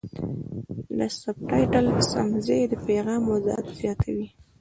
د سبټایټل سم ځای د پیغام وضاحت زیاتوي.